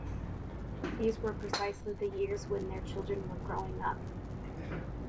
These were precisely the years when their children were growing up.